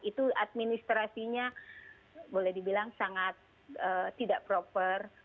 itu administrasinya boleh dibilang sangat tidak proper